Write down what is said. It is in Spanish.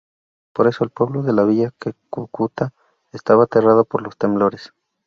Por eso el pueblo de la Villa de Cúcuta estaba aterrado por los temblores.